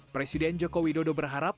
presiden joko widodo berharap